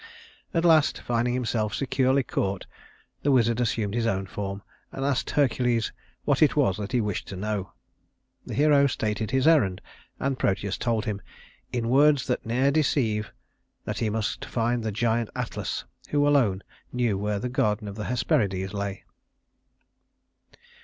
At last, finding himself securely caught, the Wizard assumed his own form, and asked Hercules what it was that he wished to know. The hero stated his errand, and Proteus told him, "in words that ne'er deceive," that he must find the giant Atlas who alone knew where the Garden of the Hesperides lay.